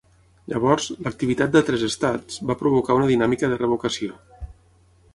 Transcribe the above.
Llavors, l'activitat d'altres estats va provocar una dinàmica de revocació.